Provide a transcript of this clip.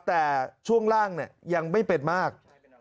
แต่ช่วงล่างยังไม่เป็นมาก